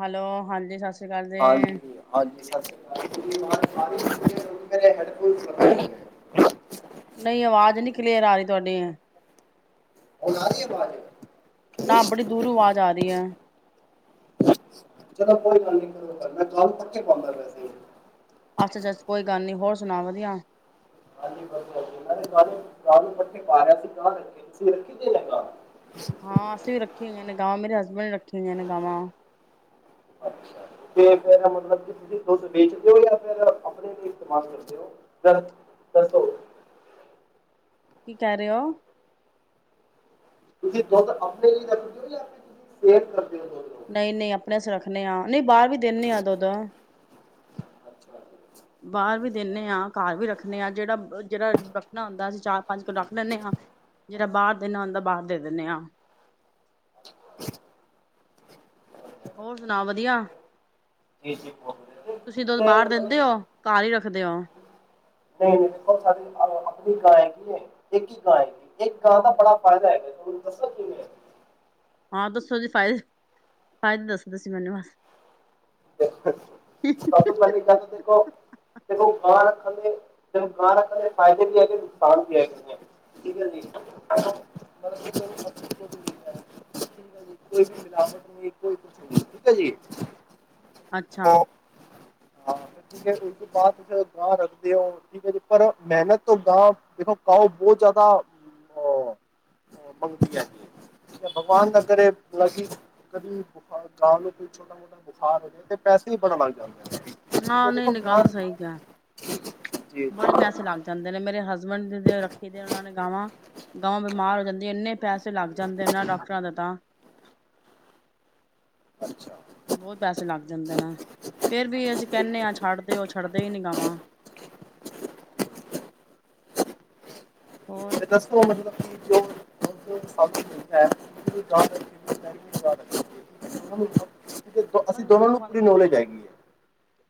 Hello ਹਾਂਜੀ ਸਤਿ ਸ੍ਰੀ ਅਕਾਲ ਜੀ ਹਾਂਜੀ ਹਾਂਜੀ ਸਤਿ ਸ੍ਰੀ ਅਕਾਲ [unintelligible] ਨਹੀਂ ਆਵਾਜ਼ ਨੀ ਕਲੇਅਰ ਆ ਰਹੀ ਤੁਹਾਡੇ ਐ ਨਾ ਬੜੀ ਦੂਰੋਂ ਆਵਾਜ਼ ਆ ਰਹੀ ਹੈ ਕੋਈ ਗੱਲ ਨ ਕਰ ਮੈਂਮ ਹੀ ਪਾਉਂਦਾ ਵੈਸੇ ਅੱਛ ਅੱਛਾੱ ਕੋਈ ਗੱਲ ਨੀ ਹੋਰ ਸੁਣਾ ਵਧੀਆ ਹਾਂਜੀ ਵਧੀ ਹਾਂਜੀ ਇਹਨਾਂ ਨੇ ਸਾਹਾਰੇ ਗਾਹ ਨੂੰ ਪੱਠੇ ਪਾਆ ਸੀ ਗਾਹ ਰੱਖੇ ਤੁਸੀਂ ਰੱਖੀ ਦੇਾਹ ਹਾਂ ਅਸੀਂ ਵੀ ਰੱਖੀਆਂ ਹੋਈਆਂ ਨੇ ਗਾਵਾਂ ਮੇਰੇ ਹਸਬੈਂਡ ਨੇ ਰੱਖੇ ਨੇ ਗਵਾਂ ਅੱਛ ਤੇ ਫੇਰ ਮਤਲਬ ਕਿਸ ਦੀ ਤੁਸੀਂ ਵੇਚਦੇ ਹੋ ਜਾਂ ਫਿਰ ਆਪਣੇ ਲਈ ਇਸਤੇਮਾਲ ਕਰਦੇ ਹੋ ਦੱਸੋ ਕੀ ਕਰਹਿ ਰਹੇ ਹੋ ਤੁਸੀਂ ਦੁੱਧ ਆਪਣੇ ਲਈ ਰੱਖਦੇ ਹੋ ਜਾਂ ਆਪਣੇ ਸੇਤ ਕਰਦੇ ਹੋ ਨਹੀਂ ਨਹੀਂ ਆਪਣੇ ਸ ਰੱਖਣੇ ਆ ਨਹੀਂ ਬਾਹਰ ਵੀ ਦਿੰਨ ਆ ਦੁੱਧ ਅੱਛਾ ਬਾਹਰ ਵੀ ਦਿੰਦੇ ਹਾਂ ਘਰ ਵੀ ਰੱਖਦੇ ਹਾਂ ਜਿਹੜਾ ਜਿਹੜਾ ਰੱਖਣਾ ਹੁੰਦਾ ਅਸੀਂ ਚਾਰ ਪੰਜ ਕਿੱਲ ਰੱਖ ਲੈਂਦੇ ਹਾਂ ਜਿਹੜਾ ਬਾਹਰ ਦੇਣਾ ਹੁੰਦਾ ਬਾਹਰ ਦੇ ਦਿੰਦੇ ਹਾਂ [unintelligible] ਹੋਰ ਸੁਣਾ ਵਧੀਆ ਜੀ ਜੀ ਮਲ ਰਖਦੇ ਹੋ ਨਹੀਂ ਨਹੀਂ ਦੇਖੋ ਸਾਡੇ ਆਪਣੀ ਗਾਂ ਹੈਗੀ ਹੈ ਇੱਕ ਹੀ ਗਾਂ ਹੈਗੀ ਇੱਕ ਗਾਂ ਦਾ ਬੜਾ ਫਾਇਦਾ ਹੈਗਾ ਤੁਹਾਨੂੰ ਦੱਸ ਕਿ ਹਾਂ ਦੱਸੋ ਜ ਫਦੇ ਫਾਇਦੇ ਦੱਸੋ ਤੁਸੀ ਮੈਨੂੰ ਬਸ ਤਤੋਂ ਕੱਲ ਗੱਲ ਦੇਖੋ ਤੇ ਗਾਂ ਰੱਖਣ ਦੇਨ ਗਾਂ ਰੱਖਣ ਦੇ ਫਦੇ ਵੀ ਹੈਗੇ ਨੁਕਸਾਨ ਵੀ ਹੈਗੇ ਠੀਕ ਹੈ ਜੀ ਕੋਈਵ ਕੁਛ ਨ ਠੀਕ ਹੈ ਜੀ ਅੱਛਾ ਹਾਂ ਠੀਕ ਹੈ ਉਸ ਤੋਂ ਬਾਅਦ ਗਾਂ ਰੱਖਦੇ ਹੋ ਠੀਕ ਹੈ ਜੀ ਪਰ ਮਿਹਨਤ ਤੋਂ ਗਾਂ ਦੇਖੋ ਕਾ ਬਹੁਤ ਜ਼ਿਆਦਾ ਮੰਗਦੀ ਹੈ ਜ ਠੀਕ ਭਗਵਾਨ ਦਾਗ ਇਹ ਮਤਲਬ ਕਿ ਕਦੀੁ ਗਾਂ ਨੂੰ ਕੋਈ ਛੋਟਾ ਮੋਟਾ ਬੁਖਾਰ ਹੋ ਜਾ ਪੈਸੇ ਹੀ ਬਤਾ ਲੱਗ ਜਾਂਦਾ ਆਹ ਨਹੀਂ ਨਿਕੱਲ ਸਹੀ ਹੈ ਬੜੇ ਪੈਸੇ ਲੱਗ ਜਾਂਦੇ ਨੇ ਮੇਰੇ ਹੱਸ ਹਸਬੈਂਡ ਰੱਖੀ ਦੇ ਉਹਨਾਂ ਨੇ ਗਾਵਾਂ ਗਾਵਾਂ ਬਿਮਾਰ ਹੋ ਜਾਂਦੀਆਂ ਇੰਨੇ ਪੈਸੇ ਲੱਗ ਜਾਂਦੇਨਾਂ ਡਾਕਟਰਾਂ ਦੇ ਤਾਂ ਅੱਛਾ ਬਹੁਤ ਪੈਸੇ ਲੱਗ ਜਾਂਦੇ ਨੇ ਫੇਿਰ ਵੀ ਅਸੀਂ ਕਹਿੰਦੇ ਹਾਂ ਛੱਡਦੇਓ ਛੱਡਦੇ ਹੀ ਨੀ ਗਵਾਂ ਤੇ ਦੱਸੋ ਮਤਲਬ ਕਿ ਜੋ ਹੈ ਜ਼ਿਆਤਰ ਫਮ ਜ਼ ਅਸੀਂ ਦੋਨਾਂ ਨੂੰ ਪੂਰੀ ਨੌਲੇਜ ਹੈਗੀ ਹੈ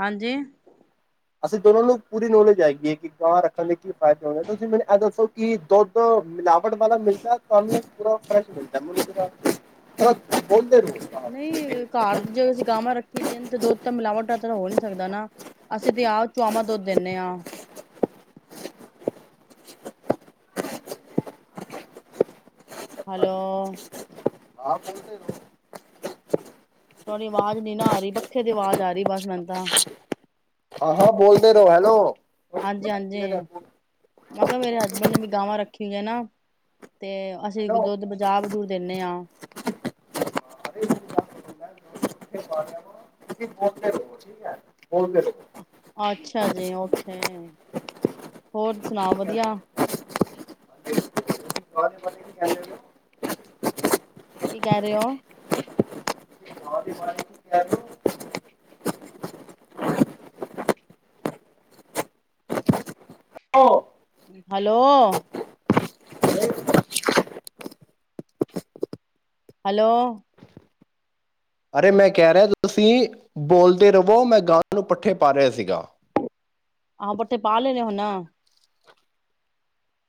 ਹਾਂਜੀ ਅਸੀਂ ਦੋਨੋ ਨੂੰ ਪੂਰੀ ਨੋਲੇਜ ਹੈਏਗੀ ਹੈ ਕਿ ਗਾਂਹ ਰੱਖਣ ਦੇ ਕੀ ਫਾਇਦੇ ਹੋ ਤੁਸੀਂ ਮੈਨੂੰ ਇਹ ਦੱਸੋ ਕਿ ਦੁੱਧ ਮਿਲਾਵਟ ਵਾਲਾ ਮਿਲਦਾ ਤੁਹਾਨੂੰ ਪੂਰਾ ਫਸ਼ ਮਿਲਦਾ ਮ ਨਹੀਂ ਘਰ ਜਦੋਂ ਅਸੀਂ ਗਾਵਾਂ ਰੱਖੀ ਦੀਆਂ ਤੇ ਦੁੱਧ ਤਾਂ ਮਿਲਾਵਟ ਤਾਂ ਹੋ ਨਹੀਂ ਸਕਦਾ ਨਾ ਅਸੀ ਅ ਤੇ ਆਹ ਚਆਵਾਂ ਦੁੱਧ ਦਿੰਦੇ ਹਾਂ ਹੈਲੋ [unintelligible] ਤੁਹਾਡੀ ਆਵਾਜ਼ ਨੀ ਨਾ ਆ ਰਹੀ ਪੱਖੇ ਦੀ ਆਵਾਜ਼ ਆ ਰਹੀ ਬਸ ਮੈਨ ਤਾਂ ਹਾਂਜੀ ਹਾਂਜੀ ਮੈਂ ਕਿਹਾ ਮੇਰੇ ਹਸਬੈਂਡ ਨੇ ਵੀ ਗਾਵਾਂ ਰੱਖੀਆਂ ਹੋ ਹੈ ਨਾ ਤੇ ਅਸੀਂ ਦੁੱਧ ਬਜਾਰ ਬਜੂੂਰ ਦਿੰਦੇ ਹਾਂ ਤੁਸੀਂ ਬੋ ਰੋ ਠੀਕ ਹੈ ਅੱਛਾ ਜੀ ਓਖੇ ਹੋਰ ਸੁਣਾ ਵਧੀਆ ਪ ਕੀ ਕਹਦੇ ਕੀ ਕਹਿ ਰਹੇ ਹੋ ਹੈਲੋ ਹੈਲੋ ਅਰੇ ਮੈਂ ਕਹਿ ਰਿਹਾ ਤੁਸੀਂ ਬੋਲਦੇ ਰਵੋ ਮੈਂ ਗਾ ਨੂੰ ਪੱਠੇ ਪਾ ਰਿਹਾ ਸੀਗਾ ਆਹੋ ਬੱਠੇ ਪਾ ਲੈਣੇ ਹੁਣ?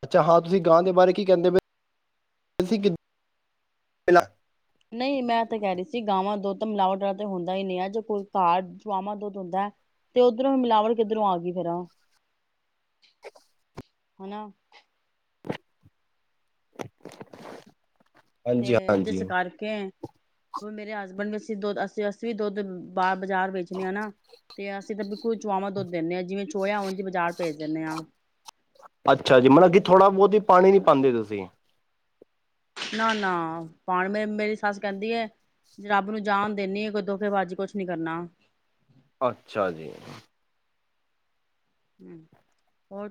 ਅੱਛਾ ਹਾਂ ਤੁਸੀਂ ਗਾਂ ਦੇ ਬਾਰੇ ਕੀ ਕਹਿੰਦੇ ਪਏ ਨਹੀਂ ਮੈਂ ਤਾਂ ਕਹਿ ਰਹੀ ਸੀ ਗਾਵਾਂ ਦੁੱਧ ਤਾਂ ਮਿਲਾਵਟ ਵਾਲਾ ਤਾਂ ਹੁੰਦਾ ਹੀ ਨਹੀਂ ਹੈ ਜ ਕੋਈ ਘਰ ਗਾਹਵਾਂ ਦੁੱਧ ਹੁੰਦਾ ਹੈ ਤੇ ਉੱਧਰੋਂ ਹੀ ਮਿਲਾਵਟ ਕਿੱਧਰੋਂ ਆ ਗਈ ਫਿਰ ਆ [inaudible] ਹਨਾ [inaudible] ਤੇ ਜਿਸ ਕਰਕੇ ਹ ਮੇਰੇ ਹਸਬੈਂਡ ਵੀ ਅਸੀਂ ਦੁੱਧ ਅਸੀਂ ਅਸੀਂ ਵੀ ਦੁੱਧ ਬਾਹ ਬਾਜ਼ਾਰ ਵੇਚਣੇ ਹਾਂ ਨਾ ਤੇ ਅਸੀਂ ਤਾਂ ਬਿਲਕੁਲ ਚੋਆਵਾਂ ਦੁੱਧ ਦਿੰਦੇ ਹਾਂ ਜਿਵੇਂ ਚੋਹ ਹੋ ਜ ਬਾਜ਼ਾਰ ਭੇਜ ਦਿੰਦੇ ਹਾਂ ਅੱਛਾ ਜੀ ਮਤਲਬ ਕਿ ਥੋੜਾ ਬਹੁਤ ਹੀ ਪਾਣੀ ਨੀ ਪਾਉਂਦੇ ਤੁਸੀਂ ਨਾ ਨਾ ਪਾਣ ਮੇ ਮੇਰੀ ਸੱਸ ਕਹਿੰਦੀ ਹੈ ਰੱਬ ਨੂੰ ਜਾਨ ਦਨੀ ਆ ਕੋਈ ਦੁਖੇਬਾਜ਼ੀ ਕੁਛ ਨੀ ਕਰਨਾ ਅੱਛਾ ਜੀ ਹ ਔਰ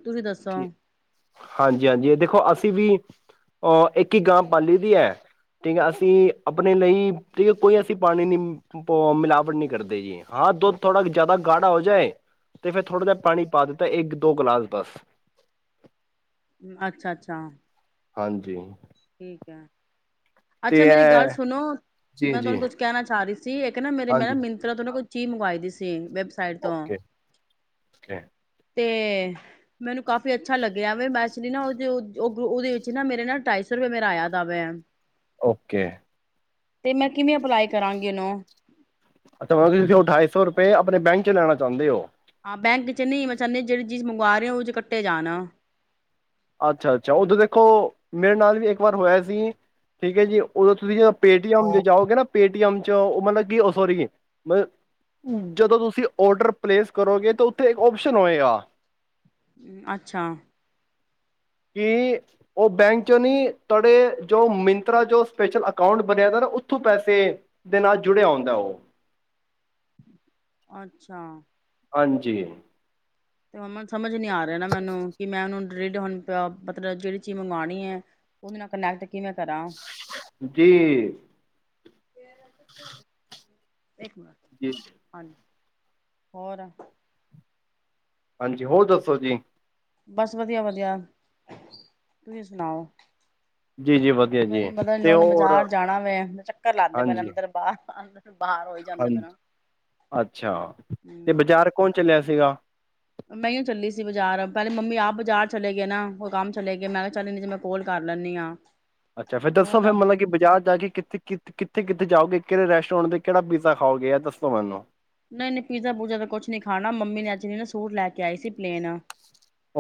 ਹਾਂਜੀ ਹਾਂਜੀ ਦੇਖੋ ਅਸੀਂ ਵੀ ਅਹ ਇੱਕ ਹੀ ਗਾਂ ਪੀ ਦੀ ਹੈ ਠੀਕ ਹੈ ਅਸੀਂ ਆਪਣੇ ਲਈ ਠੀਕ ਹੈ ਕੋਈ ਅਸੀਂ ਪਾਣੀ ਨ ਮਿਲਾਵਟ ਨਹੀਂ ਕਰਦੇ ਜੀ ਹਾਂ ਦੁੱਧ ਥੋੜਾ ਜਿਆਦਾ ਗਾੜਾ ਹੋ ਜਾਏ ਤੇ ਫੇਿਰ ਥੋੜ੍ਹਾ ਜਿਹਾ ਪਾਣੀ ਪਾ ਦਿੱਤਾ ਇੱਕ ਦੋ ਗਲਾਸ ਬਸ ਅੱਛਾ ਅੱਛਾ ਹਾਂਜੀ ਠੀਕ ਆ ਤੇ ਅੱਛਾ ਮੇਰੀ ਗੱਲ ਇਹ ਸੁਣੋ ਜੀ ਮੈਂ ਜੀ ਤੁਹਾਨੂੰ ਕੁੱਛ ਕਹਿਣਾ ਚਾਹ ਰਹੀ ਸੀ ਇੱਕ ਨਾ ਮੇਰੇ ਮੈਂ ਨਾ ਹਾਂਜੀ ਮਿੰਤਰਾ ਤ ਨਾ ਕੁ ਚੀ ਮੰਗਵਾਈ ਦੀ ਸੀ ਵੈ ਸਾਈਡ ਤੋਂ। ਓਕੇ ਓਕੇ ਤੇ ਮੈਨੂੰ ਕਾਫੀ ਅੱਛਾ ਲੱਗਿਆ ਵੇ ਮੈਕਚੁਲੀ ਨਾ ਉਹ ਜੋ ਉਹਦੇ ਵਿੱਚ ਨਾ ਮੇਰੇ ਨਾ ਢਾਈ ਸੌ ਫੇਰ ਮੇਰਾ ਆਇਆ ਦਾ ਵਿਆ। ਓਕੇ ਤੇ ਮੈਂ ਕਿਵੇਂ ਅਪਲਾਈ ਕਰਾਂਗੀ ਉਹਨੂੰ? ਅੱਛਾ ਮਤਲਬ ਤੁਸੀਂ ਉਹ ਅਠਾਈ ਸੌ ਰੁਪਏ ਆਪਣੇ ਬੈਂਕ ਚ ਲੈਣਾ ਚਾਹੁੰਦੇ ਹੋ। ਹਾਂ ਬੈਂਕ ਚ ਨਹੀਂ ਮੈਂ ਚਾਉਨੀ ਆ, ਜਿਹੜੀ ਚੀਜ਼ ਮੰਗਵਾ ਰਹੇ ਆ, ਉਹ ਓਹਦੇ ਚ ਕੱਟੇ ਜਾਣ। ਅੱਛਾ ਅੱਛਾ ਉਦੋਂ ਦੇਖੋ, ਮੇਰੇ ਨਾਲ ਵੀ ਇੱਕ ਵਾਰ ਹੋਇਆ ਸੀ। ਠੀਕ ਹੈ ਜੀ ਉਦੋਂ ਤੁਸੀਂ ਜਦੋਂ ਪੇਟੀਐੱਮ 'ਤੇ ਜਾਓਗੇ ਨਾ ਪੇਟੀਐੱਮ 'ਚ ਉਹ ਮਤਲਬ ਕਿ ਉਹ ਸੋਰੀ ਮਲ, ਜਦੋਂ ਤੁਸੀਂ ਔਡਰ ਪਲੇਸ ਕਰੋਗੇ ਤਾਂ ਉੱਥੇ ਇੱਕ ਓਪਸ਼ਨ ਹੋਏਗਾ। ਅੱਛਾ ਕਿ ਉਹ ਬੈਂਕ ਚੋਂ ਨਹੀਂ ਤੁਹਾਡੇ ਜੋ ਮਿੰਤਰਾ ਜੋ ਸਪੈਸ਼ਲ ਅਕਾਊਂਟ ਬਣਿਆ ਦਾ ਨਾ ਉੱਥੋਂ ਪੈਸੇ ਦੇ ਨਾਲ ਜੁੜਿਆ ਹੁੰਦਾ ਉਹ। ਅੱਛਾ ਹਾਂਜੀ ਤੇ ਮੰਮਾ ਨੂੰ ਸਮਝ ਨੀ ਆ ਰਿਹਾ ਨਾ ਮੈਨੂੰ ਕਿ ਮੈਂ ਉਹਨੂੰ ਰੇਡ ਹੁਣ ਪਿਆ ਮਤਲਬ ਜਿਹੜੀ ਚੀਜ਼ ਮੰਗਵਾਉਣੀ ਐ, ਉਹਦੇ ਨਾਲ ਕਨੈਕਟ ਕਿਵੇਂ ਕਰਾਂ? ਜੀ [unintelligible] ਇੱਕ ਮਿੰਟ, ਜੀ ਹਾਂਜੀ ਹੋਰ ਹਾਂਜੀ ਹੋਰ ਦੱਸੋ ਜੀ? ਬਸ ਵਧੀਆ ਵਧੀਆ, ਤੁਸੀਂ ਸੁਣਾਓ? ਜੀ-ਜੀ ਵਧੀਆ ਮੇਰੀ ਜੀ ਤੇ ਮਤਲਬ ਨੇ ਹੋਰ ਬਾਜ਼ਾਰ ਜਾਣਾ ਵੈ, ਮੈਂ ਚੱਕਰ ਲਾਦੇ ਪੇ ਮੇ ਅੰਦਰ ਬਾਹਰ। ਪੰਦ ਹਾਂਜੀ ਅੱਛਾ ਤੇ ਹੂੰ ਬਾਜ਼ਾਰ ਕੌਣ ਚੱਲਿਆ ਸੀਗਾ? ਮੈਂ ਇਓ ਚੱਲੀ ਸੀ ਬਜ਼ਾਰ। ਪਹਿਲੇ ਮੰਮੀ ਆਪ ਬਾਜ਼ਾਰ ਚਲੇ ਗਏ ਨਾ। ਓਹ ਕੰਮ ਚਲੇ ਗਏ ਮੈਂ ਕਿਹਾ ਚੱਲ ਨ ਜੇ ਮੈਂ ਕੋਲ ਕਰ ਲੈਂਨੀ ਆ। ਅੱਛਾ ਫੇਰ ਦੱਸੋ ਫੇਰ ਮਤਲਬ ਕਿ ਬਾਜ਼ਾਰ ਜਾ ਕੇ ਕਿੱਥੇ ਕਿੱਥੇ ਕਿੱਥੇ ਉੱਥ ਜਾਓਗੇ ਕਿਹੜੇ ਰੈਸੋਰੈਂਟ ਤੇ ਕਿਹੜਾ ਪੀਜ਼ਾ ਖਾਓਗੇ ਇਹ ਦੱਸੋ ਮੈਨੂੰ? ਨਈ ਨਈ ਪੀਜ਼ਾ ਪੂਜਾ ਦਾ ਕੁਛ ਨੀ ਖਾਣਾ ਮੰਮੀ ਨੇ ਅੱਜ ਚੁਨੀ ਨਾ ਸੂਟ ਲੈ ਕੇ ਆਈ ਸੀ ਪਲੇਨ ਆ।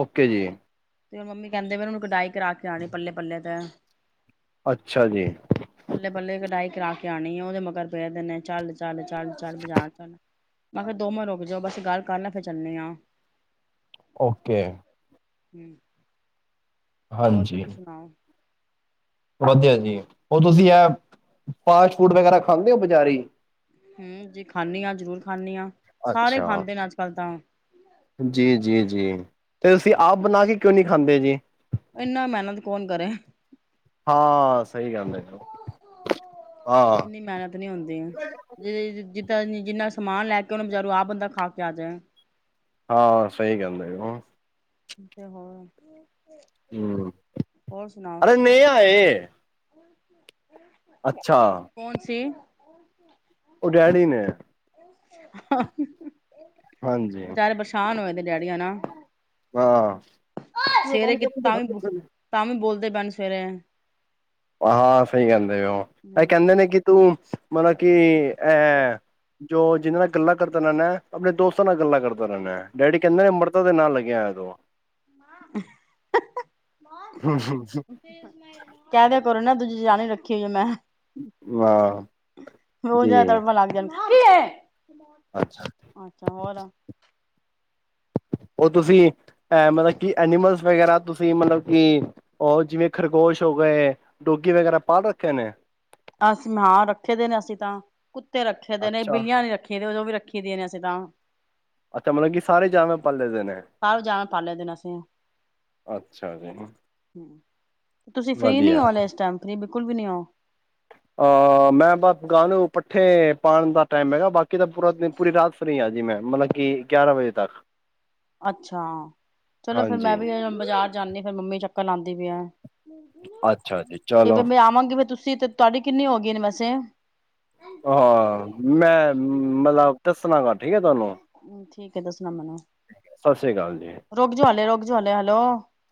ਓਕੇ ਜੀ ਤੇ ਮੰਮੀ ਕਹਿੰਦੇ ਵੀ ਉਹਨੂੰ ਕਡਾਈ ਕਰਾ ਕੇ ਆਉਣੀ ਪੱਲੇ ਪੱਲੇ ਤੇ। ਅੱਛਾ ਜੀ ਬੱਲੇ ਬੱਲੇ ਕਢਾਈ ਕਰਾ ਕੇ ਕਰਾਉਣੀ ਆ ਉਹਦੇ ਮਗਰ ਪਿਆ ਦਿਨੇ ਚੱਲ ਚੱਲ ਚੱਲ ਚੱਲ ਬਜ਼ਾਰ ਚੱਲ। ਮੈਂ ਕਿਹਾ ਦੋ ਮਾਂ ਰੁਕ ਜਾਓ ਬਸ ਗੱਲ ਕਰ ਲੈ ਫ਼ੇਰ ਚੱਲਨੇ ਆ। ਓਕੇ ਹੂੰ ਹੋਰ ਹਾਂਜੀ ਤੁਸੀਂ ਸੁਣਾਓ? ਵਧੀਆ ਜੀ। ਹੋਰ ਤੁਸੀਂ ਆਹ ਫਾਸਟ ਫੂਡ ਵਗੈਰਾ ਖਾਂਦੇ ਓ ਬਜ਼ਾਰੀ? ਹੂੰ ਜੀ ਖਾਂਨੀ ਆ ਜ਼ਰੂਰ ਖਾਂਨੀ ਆ। ਸਾਰੇ ਅੱਛਾ ਖਾਂਦੇ ਨੇ ਅੱਜ ਕੱਲ ਤਾਂ। ਜੀ ਜੀ ਜੀ ਤੇ ਤੁਸੀਂ ਆਪ ਬਣਾ ਕੇ ਕਿਉਂ ਨਹੀਂੀ ਖਾਂਦੇ ਜੀ ਇੰਨਾ ਮਿਹਨਤ ਕੌਣ ਕਰੇ ਹਾਂ ਸਹੀ ਗੱਲ ਹੈ ਜ ਆਾਂ ਇੰਨੀ ਮਿਹਨਤ ਨੀ ਹੁੰਦੀ। ਜਿੰਨਾ ਸਮਾਨ ਲੈ ਕੇ ਉਹਨੂੰ ਬਜ਼ਾਰੂ ਆਹ ਬੰਦਾ ਖਾ ਕੇ ਆ ਜਾਏ ਹਾਂ ਸਹੀ ਗਹਿੰਦਾ ਛ ਹੋਰ ਹਮ ਹੋਰ ਅਰੇ ਨਹੀਂ ਆਏ ਹਮ ਅੱਛਾ ਕੀ ਕੌਣ ਸੀ ਉਹ ਉਹ ਡੈਡੀ ਨੇ ਹਾਂ ਹਾਂਜੀ ਵਿਚੇਾਰੇ ਪਰੇਸਾਾਨ ਹੋਏ ਨੇ ਡੈਡੀੀਆਂ ਨਾ ਹਾਂ ਪਰੇ ਬਣੀ ਬਣੀ ਸਵੇਰੇ ਆਹ ਹਾਂ ਸਹੀ ਕਹਿੰਦੇ ਵੀ ਉਹ ਇਹ ਹੂੰ ਕਹਿੰਦੇ ਨੇ ਕਿ ਤੂੰ ਮਲ ਕੀ ਅਹ ਜੋ ਜਿਨਾਂ ਨਾਲ ਗੱਲਾਂ ਕਰਦਾ ਇਹ ਆਪਣੇ ਦੋਸਤ ਨਾਲ ਗੱਲਾਂ ਕਰਦਾ ਰਹਿੰਦਾ ਡੈਡੀ ਕਹਿੰਦੇ ਨੇ ਅੰਮਰਤਾ ਦੇ ਨਾਲ ਲੱਗਿਆਦੋਂ ਕਹਿ ਦਿਆ ਕਰੋ ਨਾ ਦੂਜੀ ਜਾਣੀ ਰੱਖੀ ਹੋਈ ਹੈ ਮੈਂ ਵਾਂ ਜੀ ਕੀ ਹੈ ਅੱਛਾ ਅੱਛਾ ਹੋਰ [unintelligible] ਉਹ ਤੁਸੀਂ ਅਹ ਮਤਲਬ ਕਿ ਐਨੀਮਲਸ ਵਗੈਰਾ ਤੁਸੀਂ ਮਤਲਬ ਕਿ ਉਹ ਜਿਵੇਂ ਖਰਗੋਸ਼ ਹੋ ਗਏ, ਡੋਗੀ ਵਗੈਰਾ ਪਾਲ ਰੱਖੇ ਨੇ? ਅਸੀਂ ਹਾਂ ਰੱਖੇ ਦੇ ਨੇ ਅਸੀਂ ਤਾਂ ਕੁ ਤੇ ਰੱਖੇ ਦੇ ਨੇ, ਅੱਛਾ ਬਿੱਲੀਆਂ ਨਹੀਂ ਰੱਖੀਆਂਆਂ ਨੇ, ਉਹ ਵੀ ਰੱਖ ਰੱਖੀ ਦੀਆਂ ਨੇ ਅਸੀਂ ਤਾਂ। ਅੱਛਾ ਮਤਲਬ ਕਿ ਸਾਰੇ ਜਾਨਵਰ ਪਾਲੇਦੇਨ। ਸਾਰੇ ਜਾਨਵਰ ਪਾਲੇਦੇਨ ਅਸੀਂ, ਅੱਛਾ ਜੀ ਹੂੰ, ਤੁਸੀਂ ਫ੍ਰੀ ਵਧੀਆ ਨੀ ਹੋ ਹਾਲੇ ਇਸ ਟਾਈਮ ਫ੍ਰੀ ਬਿਲਕੁਲ ਵੀ ਨੀ ਹੋ। ਅਹ ਮੈਂ ਬਸ ਗਾਂ ਨੂੰ ਪੱਠੇ ਪਾਣ ਦਾ ਟਾਈਮ ਹੈਗਾ, ਬਾਕੀ ਤਾਂ ਪੂਰਾ ਦਿਨ ਪੂਰੀ ਰਾਤ ਫਰੀ ਆਂ ਜੀ ਮੈਂ, ਮਤਲਬ ਕਿ ਗਿਆਰਾਂ ਵਜੇ ਤੱਕ। ਅੱਛਾ, ਚਲੋ ਫਿਰ ਮੈਂ ਹਾਂਜੀ ਵੀ ਬਜ਼ਾਰ ਜਾਂਦੀ ਫਿਰ ਮੰਮੀ ਚੱਕਰ ਲਾ ਦੀ ਪੀ ਐ। ਅੱਛਾ ਜੀ ਚਲੋ ਐਵੇਂ ਮੈਂ ਆਵਾਂਗੀ ਫੇਰ ਤੁਸੀਂ ਤੇ ਤੁਹਾਡੀੇ ਕਿੰਨੀ ਹੋ ਗਈ ਨੇ ਵੈਸੇ? ਹਾਂ ਮੈਂ ਮਤਲਬ ਦਸਨਾ [unintelligible] ਠੀਕ ਐ ਤੁਹਾਨੂੰ। ਠੀਕ ਐ ਦੱਸ ਨਾ ਮੈਨੂੰ, ਸਤਿ ਸ੍ਰੀ ਰੁੱਕ ਜੋ ਹਾਲੇ, ਰੁੱਕ ਜੋ ਹਾਲੇ [unintelligible] ਹੈਲੋ।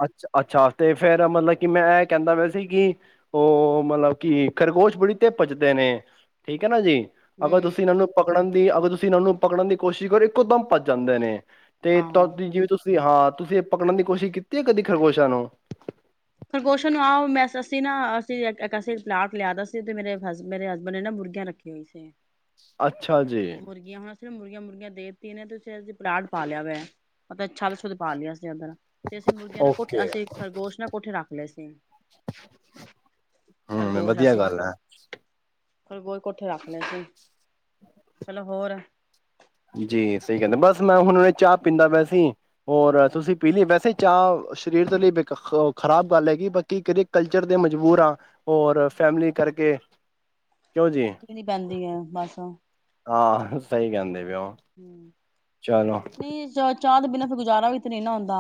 ਅੱਛ ਅ-ਛਾ ਤੇ ਫੇਰ ਮਤਲਬ ਕਿ ਮੈਂ ਇਹ ਕਹਿੰਦਾ ਪਿਆ ਸੀ ਕਿ ਉਹ ਮਤਲਬ ਕਿ ਖਰਗੋਸ਼ ਬੜੀ ਤੇਜ ਭੱਜਦੇ ਨੇ, ਠੀਕ ਐ ਨਾ ਜੀ। ਅਗਰ ਹਮ ਤੁਸੀਂ ਇਹਨਾਂ ਨੂੰ ਪਕੜਨ ਦੀ, ਅਗਰ ਤੁਸੀਂ ਇਹਨਾਂ ਨੂੰ ਪਕੜਨ ਦੀ ਕੋਸ਼ਿਸ਼ ਕਰੋ ਇੱਕੋ ਦਮ ਭੱਜ ਜਾਂਦੇ ਨੇ। ਤੇ ਆਹੋ ਤਦ ਜਿਵੇਂ ਤੁਸੀਂ ਹਾਂ ਤੁਸੀਂ ਇਹ ਪਕੜਨ ਦੀ ਕੋਸ਼ਿਸ਼ ਕੀ ਕਿ ਐ ਕਦੀ ਖਰਗੋਸ਼ਾਂ ਨੂੰ? ਖ਼ਰਗੋਸ਼ਾ ਨੂੰ ਆਹੋ ਮੈਂ, ਅਸੀਂ ਨਾ ਅਸੀਂ ਇੱਕ ਅਸੀਂ ਪਲਾਟ ਲਿਆਦਾ ਸੀ ਤੇ ਮੇਰੇ ਮੇਰੇ ਹਸਬੈਂਡ ਨੇ ਨਾ ਮੁਰਗੀਆਂ ਰੱਖੀ ਹੋਈ ਸੀ। ਅੱ ਮੁਰਗੀਆਂ ਉਹ ਨਾ ਸਿਰਫ ਮੁਰਗੀਆਂ, ਮੁਰਗੀਆਂ ਦੇਤੀ ਨੇ ਤੁਸੀਂ ਨਾ ਅਸੀਂ ਪਲਾਟ ਪਾ ਲਿਆ ਵੇ। ਪਤਾ ਐ ਛੱਤ ਛੁੱਤ ਪਾ ਲਈ ਐ ਅਸੀਂ ਓਧਰ ਤੇ ਅਸੀਂ ਮੁਰਗੀਆਂ ਨਾ ਕੋਠੇ ਓਕੇ। ਅਸੀਂ ਖਰਗੋਸ਼ ਨੇ ਕੋਠੇ ਰੱਖ ਲਏ ਸੀ, ਹੂੰ, ਖਰਗੋਸ਼ ਵਧੀਆ ਅਸੀਂ ਗੱਲ ਐ। ਖ਼ਰਗੋ ਕੋਠੇ ਰੱਖ ਲਏ ਸੀ। ਹੋਰ ਜੀ ਸਹੀ ਕਹਿੰਦੇ, ਬਸ ਮੈਂ ਹੁਣ ਚਾਹ ਪੀਂਦਾ ਪਿਆ ਸੀ ਔਰ ਤੁਸੀਂ ਪੀ ਲੀ? ਵੈਸੇ ਚਾਹ ਸਰੀਰ ਦੇ ਲਈ ਬੇ ਖ਼ਰਾਬ ਗੱਲ ਹੈਗੀ ਬਾਕੀ ਕਿਦੇ ਕਲਚਰ ਦੇ ਮਜਬੂਰ ਆ ਔਰ ਫੈਮਿਲੀ ਕਰਕੇ ਕਿਉਂ ਜੀ [unintelligible] ਨੀ ਪੈਂਦੀ ਐ ਬੱਸ ਹਾਂ ਸਹੀ ਕਹਿੰਦੇ ਪਏ ਓ ਹਮ ਚਲੋ ਨਹੀਂ ਚਾਹ ਦੇ ਬਿਨਾਂ ਗੁਜ਼ਾਰਾ ਵੀ ਤੇ ਨ ਨਾ ਹੁੰਦਾ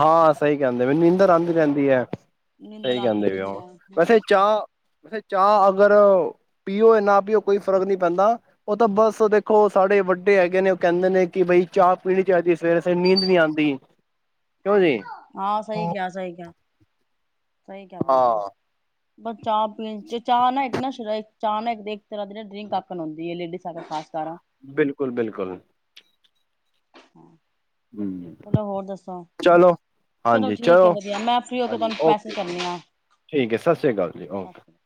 ਹਾਂ ਸਹੀ ਕਹਿੰਦੇ ਮੈਨੂੰ ਨਦਰ ਆਹਂਦੀ ਰਹਿੰਦੀ ਹੈ ਨੀਂਦਰ ਸਹੀ ਕਹਿੰਦੇ ਆਉਂਦੀ ਵੀ ਰਹਿੰਦੀ ਵੈਸੇ ਹੈ ਚਾਹ ਵੈਸੇ ਚਾਹ ਅਗਰ ਪੀਓ ਨਾ ਪੀਓ ਕੋਈ ਫ਼ਰਕ ਨੀ ਪੈਂਦਾ ਉਹ ਤਾਂ ਬਸ ਦੇਖੋ ਸਾਡੇ ਵੱਡੇ ਹੈਗੇ ਨੇ ਉਹ ਕਹਿੰਦੇ ਨੇ ਕਿ ਬਈ ਚਾਹ ਪੀਣੀ ਚਾਹੀਦੀ ਸਵੇਰੇ ਸਵੇਰੇ ਨੀਂਦ ਨਹੀਂੀ ਆਉਂਦੀ ਕਿਉਂ ਜੀ ਹਾਂ ਸਹੀ ਕਿਹਾ ਸਹੀ ਕ ਸਹੀ ਗੱਲ ਹਾਂ ਪਰ ਚਾਹ ਪੀਣ ਚਾਹ ਨਾ ਇੱਕ ਨਾ ਚਾਹ ਨਾ ਤਰ੍ਹਾਂ ਦੀ ਨਾ ਡਰਿੰਕਣ ਹਦੀ ਹੈ ਲੇਡੀ ਖਾਸ ਕਰ ਬਿਲਕੁਲ ਬਿਲਕੁਲ ਹਾਂ ਚਲੋ ਹਾਂਜੀ ਠੀਕ ਹੈ ਚਲੋ ਵਧੀਆ ਮੈਂ ਫਰੀ ਹੋ ਕੇ ਹਾਂਜੀ ਤੁਹਾਨੂੰ ਮੈਸੇਜ ਓਕੇ ਕਰਨੀ ਠੀਕ ਹੈ ਸਤਿ ਸ਼੍ਰੀ ਅਕਾਲ ਜੀ ਓਕੇ ਆ